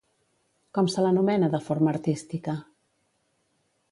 Com se l'anomena de forma artística?